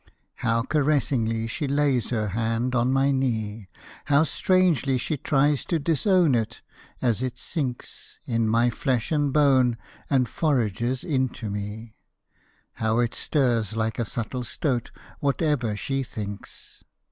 How caressingly she lays her hand on my knee, How strangely she tries to disown it, as it sinks In my flesh and bone and forages into me, How it stirs like a subtle stoat, whatever she thinks!